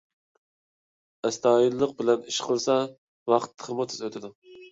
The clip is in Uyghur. ئەستايىدىللىق بىلەن ئىش قىلسا، ۋاقىت تېخىمۇ تېز ئۆتىدۇ.